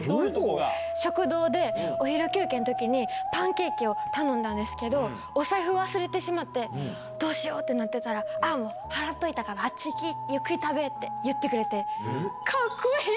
食堂でお昼休憩のときに、パンケーキを頼んだんですけど、お財布忘れてしまって、どうしようってなってたら、あっ、もう、払っといたから、あっち行き、ゆっくり食べって言ってくれて。